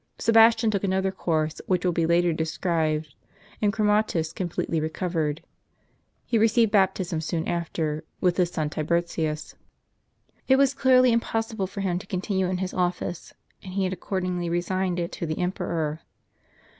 Sebastian took another course, which will be later described, and Chromatins com pletely recovered. He received baptism soon after, with his son Tibertius. It was clearly impossible for him to continue in his office, and he had accordingly resigned it to the emperor.